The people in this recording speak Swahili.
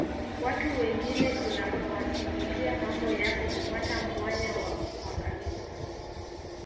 Watu wengine unapowasimulia mambo yako hupata mwanya wa kukuangamiza